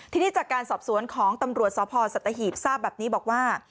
ทีนี้จากการสอบสวนของตำรวจสพสัตหีบทราบแบบนี้บอกว่า